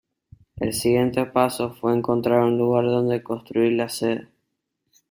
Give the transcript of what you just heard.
El siguiente paso fue encontrar un lugar donde construir la sede.